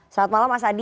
selamat malam mas adi